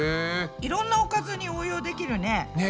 いろんなおかずに応用できるね。ね。